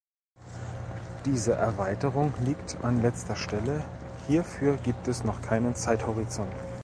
Diese Erweiterung liegt an letzter Stelle, hierfür gibt es noch keinen Zeithorizont.